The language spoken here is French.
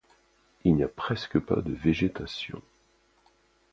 Il n'y a presque pas de végétation.